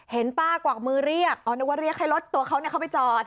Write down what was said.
ป้ากวักมือเรียกอ๋อนึกว่าเรียกให้รถตัวเขาเข้าไปจอด